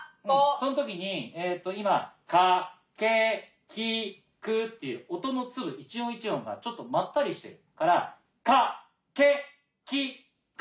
その時に今「かけきく」っていう音の粒一音一音がちょっとまったりしてるからかけきく。